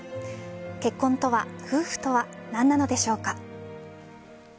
結婚とは、夫婦とは何なのでしょうか。